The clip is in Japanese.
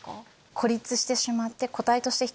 孤立してしまって。